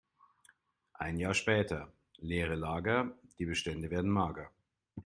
Ein Jahr später: Leere Lager, die Bestände werden mager.